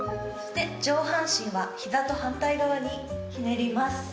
そして上半身は膝と反対側にひねります。